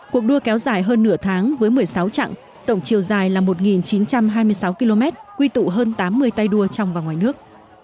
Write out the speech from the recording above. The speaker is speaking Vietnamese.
cuộc đua kéo dài hơn nửa tháng với một mươi sáu trạng tổng chiều dài là một chín trăm hai mươi sáu km quy tụ hơn tám mươi tay đua trong và ngoài nước